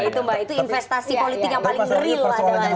itu mbak itu investasi politik yang paling real lah dalam